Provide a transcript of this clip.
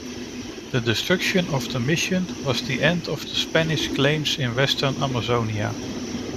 The destruction of the missions was the end of Spanish claims in western Amazonia.